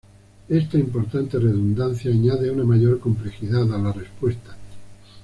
Esta importante redundancia añade una mayor complejidad a la respuesta.